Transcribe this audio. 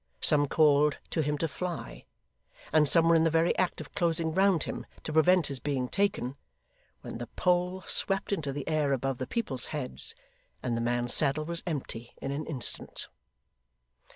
Some called to him to fly, and some were in the very act of closing round him, to prevent his being taken, when the pole swept into the air above the people's heads, and the man's saddle was empty in an instant.